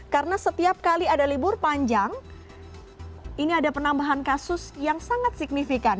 karena setiap kali ada libur panjang ini ada penambahan kasus yang sangat signifikan